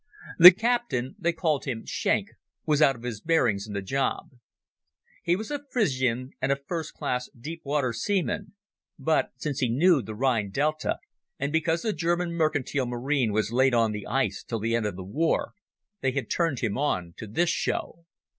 The captain—they called him Schenk—was out of his bearings in the job. He was a Frisian and a first class deep water seaman, but, since he knew the Rhine delta, and because the German mercantile marine was laid on the ice till the end of war, they had turned him on to this show.